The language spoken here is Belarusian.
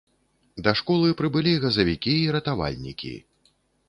Да школы прыбылі газавікі і ратавальнікі.